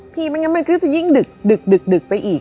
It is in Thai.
พี่มันยังไม่ใกล้จะยิ่งดึกไปอีก